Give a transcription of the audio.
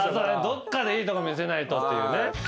どっかでいいとこ見せないとっていうね。